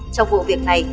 trong vụ việc này